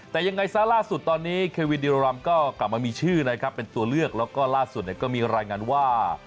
แต่ยังไงซะล่าสุดตอนนี้เควินดิโรรัมก็กลับมามีชื่อนะครับเป็นตัวเลือกแล้วก็ล่าสุดเนี่ยก็มีรายงานว่า